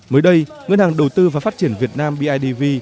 mới đây ngân hàng đầu tư và phát triển việt nam bidv